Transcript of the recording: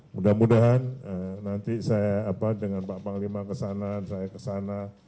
mudah mudahan nanti saya dengan pak panglima kesana saya kesana